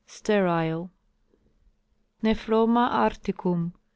Sterile. Nephroma articum, (L.)